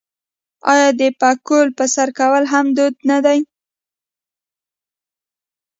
آیا د پکول په سر کول هم دود نه دی؟